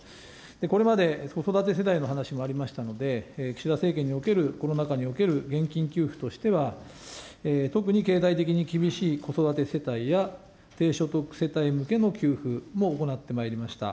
これまで子育て世代の話もありましたので、岸田政権における、コロナ禍における現金給付としては、特に経済的に厳しい子育て世帯や低所得世帯向けの給付も行ってまいりました。